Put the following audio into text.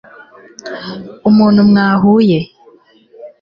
umuntu mwahuye